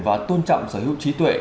và tôn trọng sở hữu trí tuệ